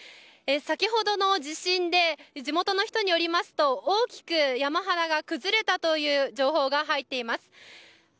先ほどの地震で地元の人によりますと大きく山肌が崩れたという情報が入っています。